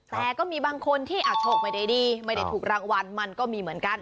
แต่ก็มีบางคนที่โชคไม่ได้ดีไม่ได้ถูกรางวัลมันก็มีเหมือนกัน